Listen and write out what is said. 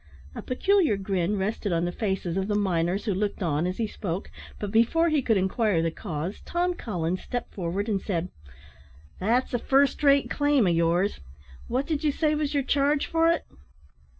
A peculiar grin rested on the faces of the miners who looked on as he spoke, but before he could inquire the cause, Tom Collins stepped forward, and said: "That's a first rate claim of yours. What did ye say was your charge for it?"